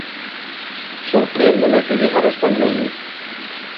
Sorpriéndeme que llegares tan lloñe.